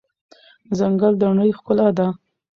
ځنګل د نړۍ ښکلا ده.